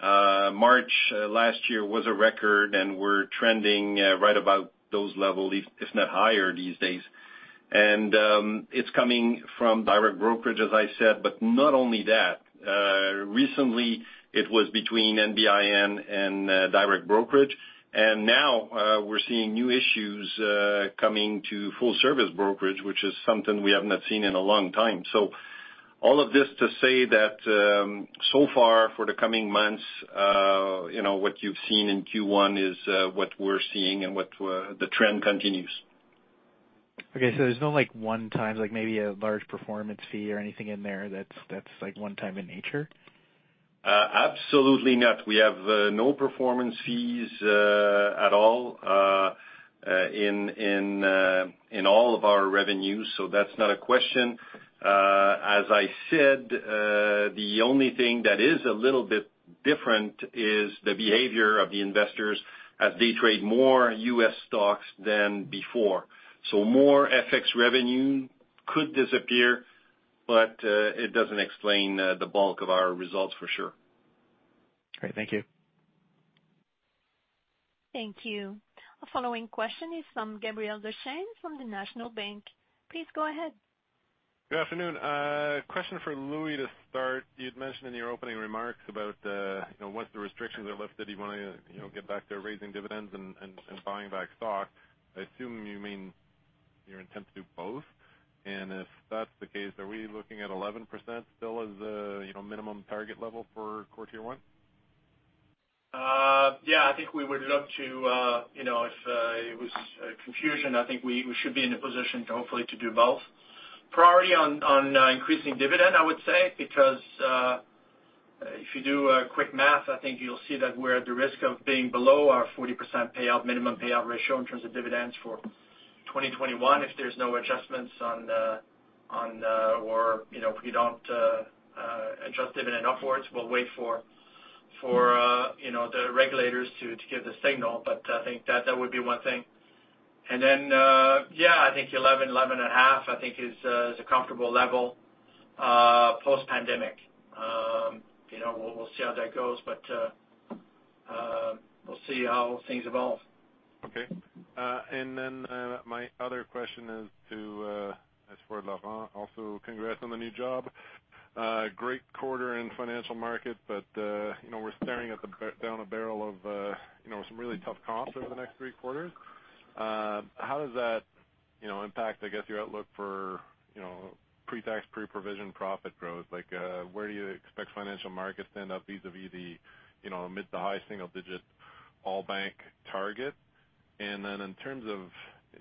March last year was a record, and we're trending right about those levels, if not higher these days. And it's coming from Direct Brokerage, as I said, but not only that. Recently, it was between NBIN and Direct Brokerage. And now we're seeing new issues coming to Full Service Brokerage, which is something we have not seen in a long time. So all of this to say that so far for the coming months, you know, what you've seen in Q1 is what we're seeing and what the trend continues.
Okay. So there's no like one times, like maybe a large performance fee or anything in there that's like one time in nature?
Absolutely not. We have no performance fees at all in all of our revenues. So that's not a question. As I said, the only thing that is a little bit different is the behavior of the investors as they trade more U.S. stocks than before. So more FX revenue could disappear, but it doesn't explain the bulk of our results for sure.
Great. Thank you.
Thank you. The following question is from Gabriel Dechaine from the National Bank Financial. Please go ahead.
Good afternoon. Question for Louis to start. You'd mentioned in your opening remarks about what the restrictions are left that he wanted to get back to raising dividends and buying back stock. I assume you mean your intent to do both, and if that's the case, are we looking at 11% still as a minimum target level for quarter one?
Yeah, I think we would look to, you know, if it was confusion, I think we should be in a position to hopefully do both. Priority on increasing dividend, I would say, because if you do a quick math, I think you'll see that we're at the risk of being below our 40% payout minimum payout ratio in terms of dividends for 2021 if there's no adjustments on, or, you know, if we don't adjust dividend upwards, we'll wait for, you know, the regulators to give the signal. But I think that would be one thing. And then, yeah, I think 11, 11 and a half, I think is a comfortable level post-pandemic. You know, we'll see how that goes, but we'll see how things evolve.
Okay. And then my other question is to, as for Laurent, also congrats on the new job. Great quarter in Financial Markets, but, you know, we're staring down a barrel of, you know, some really tough comps over the next three quarters. How does that, you know, impact, I guess, your outlook for, you know, pre-tax, pre-provision profit growth? Like, where do you expect Financial Markets to end up vis-à-vis the, you know, mid to high single-digit all bank target? And then in terms of,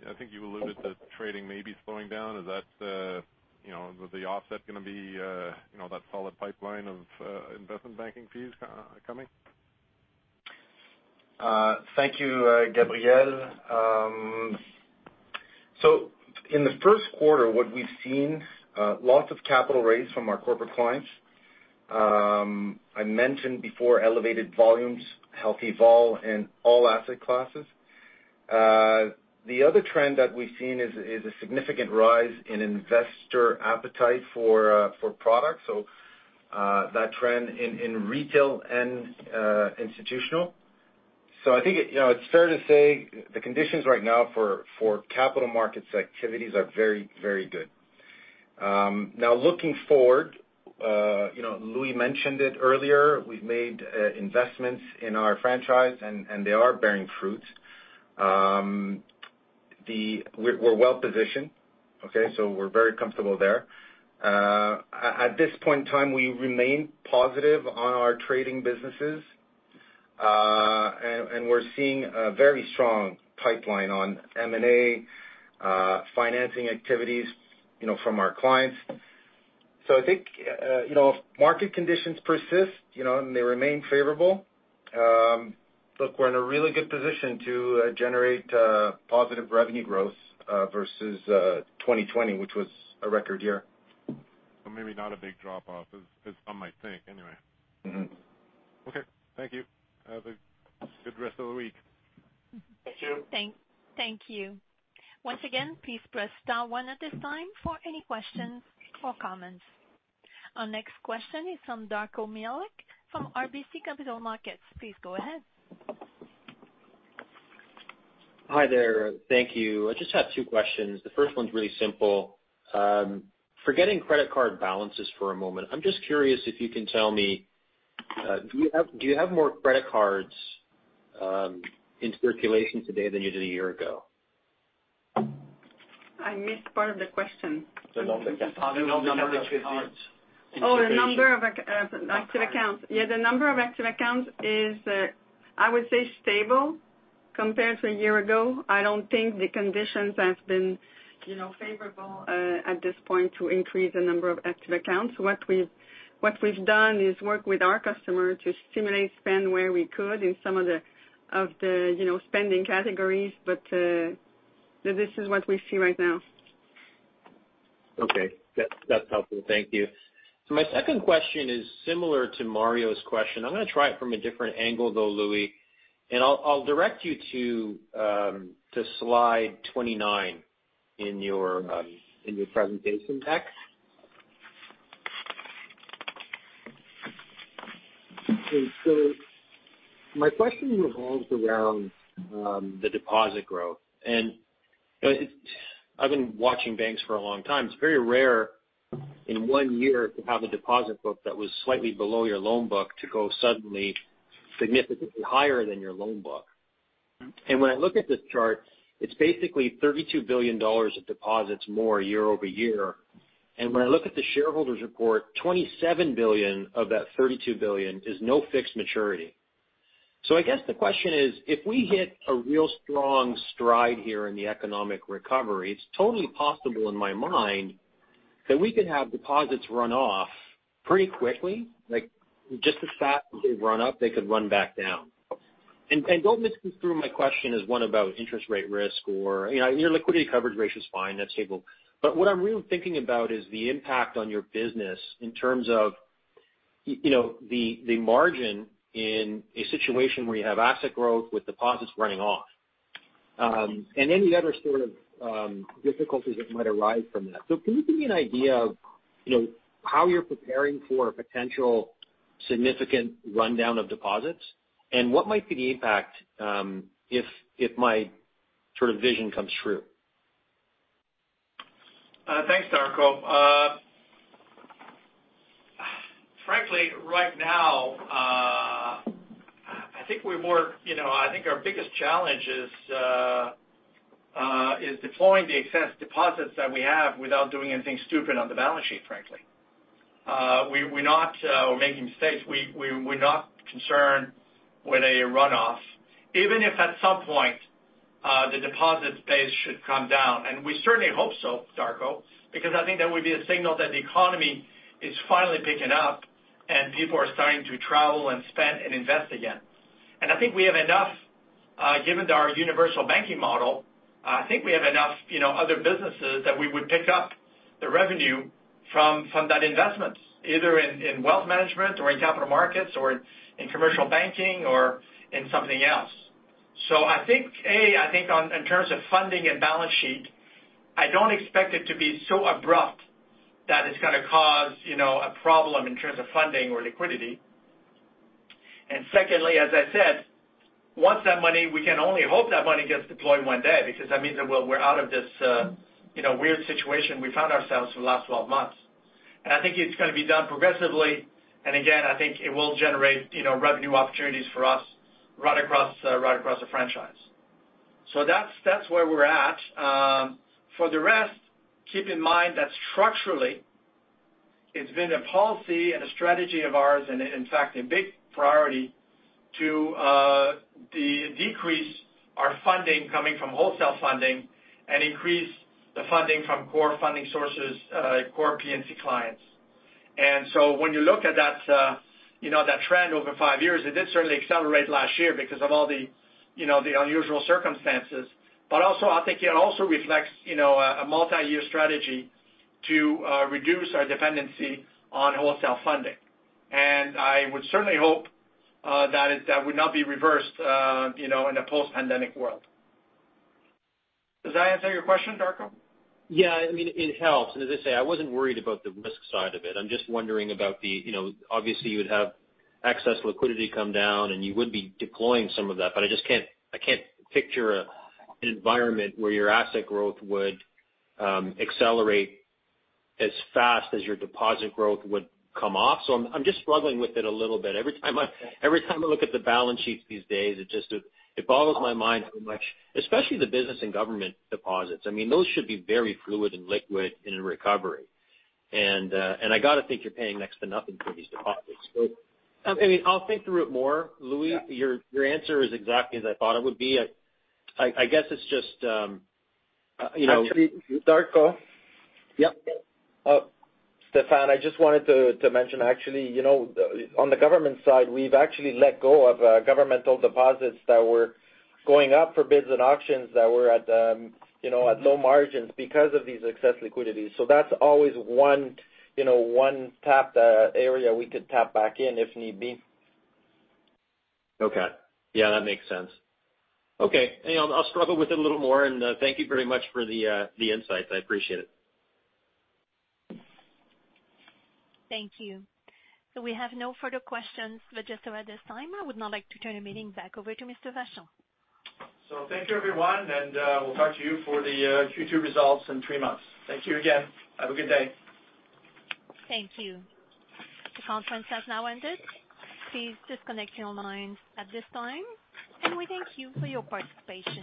I think you alluded to trading maybe slowing down. Is that, you know, the offset going to be, you know, that solid pipeline of investment banking fees coming?
Thank you, Gabriel. So in the first quarter, what we've seen, lots of capital raised from our corporate clients. I mentioned before elevated volumes, healthy vol in all asset classes. The other trend that we've seen is a significant rise in investor appetite for products. So that trend in retail and institutional. So I think, you know, it's fair to say the conditions right now for Capital Markets activities are very, very good. Now looking forward, you know, Louis mentioned it earlier, we've made investments in our franchise and they are bearing fruit. We're well positioned, okay? So we're very comfortable there. At this point in time, we remain positive on our trading businesses. And we're seeing a very strong pipeline on M&A financing activities, you know, from our clients. So I think, you know, if market conditions persist, you know, and they remain favorable, look, we're in a really good position to generate positive revenue growth versus 2020, which was a record year.
But maybe not a big drop-off, is what I might think anyway. Okay. Thank you. Have a good rest of the week.
Thank you.
Thanks. Thank you. Once again, please press star one at this time for any questions or comments. Our next question is from Darko Mihelic from RBC Capital Markets. Please go ahead.
Hi there. Thank you. I just have two questions. The first one's really simple. Forgetting credit card balances for a moment. I'm just curious if you can tell me, do you have more credit cards in circulation today than you did a year ago?
I missed part of the question. Oh, the number of active accounts. Yeah, the number of active accounts is, I would say, stable compared to a year ago. I don't think the conditions have been, you know, favorable at this point to increase the number of active accounts. What we've done is work with our customer to stimulate spend where we could in some of the, you know, spending categories, but this is what we see right now.
Okay. That's helpful. Thank you. My second question is similar to Mario's question. I'm going to try it from a different angle, though, Louis, and I'll direct you to slide 29 in your presentation deck. Okay. So my question revolves around the deposit growth, and I've been watching banks for a long time. It's very rare in one year to have a deposit book that was slightly below your loan book to go suddenly significantly higher than your loan book, and when I look at the chart, it's basically 32 billion dollars of deposits more year-over-year. And when I look at the shareholders' report, 27 billion of that 32 billion is no fixed maturity. So I guess the question is, if we hit a real strong stride here in the economic recovery, it's totally possible in my mind that we could have deposits run off pretty quickly. Like, just the fact that they run up, they could run back down, and don't misconstrue my question as one about interest rate risk or, you know, your liquidity coverage rate is fine. That's stable, but what I'm really thinking about is the impact on your business in terms of, you know, the margin in a situation where you have asset growth with deposits running off, and then the other sort of difficulties that might arise from that, so can you give me an idea of, you know, how you're preparing for a potential significant rundown of deposits, and what might be the impact if my sort of vision comes true?
Thanks, Darko. Frankly, right now, I think we're more, you know, I think our biggest challenge is deploying the excess deposits that we have without doing anything stupid on the balance sheet, frankly. We're not making mistakes. We're not concerned with a runoff, even if at some point the deposit base should come down, and we certainly hope so, Darko, because I think that would be a signal that the economy is finally picking up and people are starting to travel and spend and invest again, and I think we have enough, given our universal banking model, I think we have enough, you know, other businesses that we would pick up the revenue from that investment, either in Wealth Management or in Capital Markets or in Commercial Banking or in something else. So I think, A, I think in terms of funding and balance sheet, I don't expect it to be so abrupt that it's going to cause, you know, a problem in terms of funding or liquidity. And secondly, as I said, once that money, we can only hope that money gets deployed one day because that means that we're out of this, you know, weird situation we found ourselves in the last 12 months. And I think it's going to be done progressively. And again, I think it will generate, you know, revenue opportunities for us right across the franchise. So that's where we're at. For the rest, keep in mind that structurally, it's been a policy and a strategy of ours, and in fact, a big priority to decrease our funding coming from wholesale funding and increase the funding from core funding sources, core P&C clients. And so when you look at that, you know, that trend over five years, it did certainly accelerate last year because of all the, you know, the unusual circumstances. But also, I think it also reflects, you know, a multi-year strategy to reduce our dependency on wholesale funding. And I would certainly hope that it would not be reversed, you know, in a post-pandemic world. Does that answer your question, Darko?
Yeah, I mean, it helps, and as I say, I wasn't worried about the risk side of it. I'm just wondering about the, you know, obviously you would have excess liquidity come down and you would be deploying some of that, but I just can't picture an environment where your asset growth would accelerate as fast as your deposit growth would come off, so I'm just struggling with it a little bit. Every time I look at the balance sheets these days, it just, it boggles my mind how much, especially the business and government deposits. I mean, those should be very fluid and liquid in a recovery, and I got to think you're paying next to nothing for these deposits, so I mean, I'll think through it more. Louis, your answer is exactly as I thought it would be. I guess it's just, you know.
Darko.
Yep.
Stéphane, I just wanted to mention, actually, you know, on the government side, we've actually let go of governmental deposits that were going up for bids and auctions that were at, you know, at low margins because of these excess liquidities. So that's always one, you know, one tap area we could tap back in if need be.
Okay. Yeah, that makes sense. Okay. And I'll struggle with it a little more. And thank you very much for the insight. I appreciate it.
Thank you. So we have no further questions, but just around this time, I would not like to turn the meeting back over to Mr. Vachon.
So thank you, everyone. And we'll talk to you for the Q2 results in three months. Thank you again. Have a good day.
Thank you. The conference has now ended. Please disconnect your lines at this time. And we thank you for your participation.